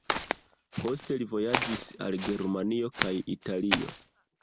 Poste li vojaĝis al Germanio kaj Italio.